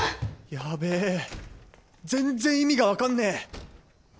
ヤベえ全然意味がわかんねえ！